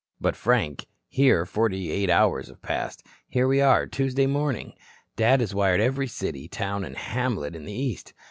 "But, Frank, here forty eight hours have passed. Here we are, Tuesday morning. Dad has wired every city, town and hamlet in the East.